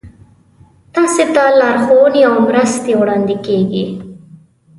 تاسو ته لارښوونې او مرستې وړاندې کیږي.